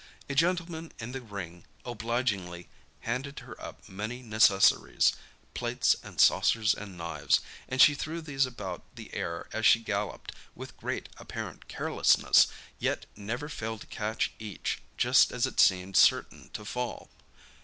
A gentleman in the ring obligingly handed her up many necessaries—plates and saucers and knives—and she threw these about the air, as she galloped with great apparent carelessness, yet never failed to catch each just as it seemed certain to fall.